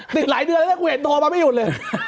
ติดหลายเดือนแล้วถ้ากูเห็นโทรมาไม่หยุดเลย